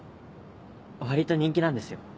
割と人気なんですよ。